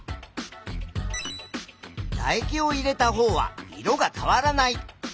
だ液を入れたほうは色が変わらない。